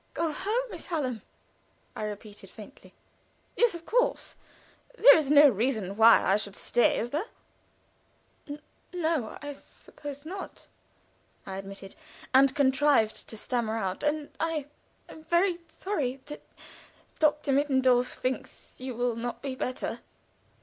"Go home, Miss Hallam!" I repeated, faintly. "Yes, of course. There is no reason why I should stay, is there?" "N no, I suppose not," I admitted; and contrived to stammer out, "and I am very sorry that Doctor Mittendorf thinks you will not be better."